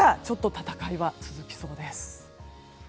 戦いは続きそうです。